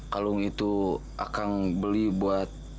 kalung itu akang beli buat